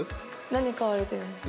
何飼われてるんですか？